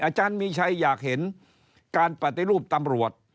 อาจารย์มีชัยอยากเห็นการปฏิรูปตำรวจ